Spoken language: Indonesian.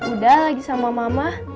udah lagi sama mama